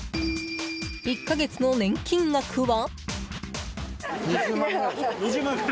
１か月の年金額は？